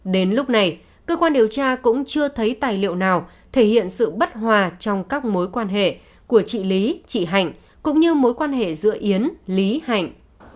đến lúc này cơ quan điều tra cũng chưa thấy tài liệu nào thể hiện sự bất hòa trong các mối quan hệ của chị lý chị hạnh cũng như mối quan hệ giữa yến lý hạnh